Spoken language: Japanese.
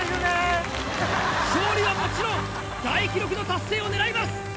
勝利はもちろん大記録の達成を狙います！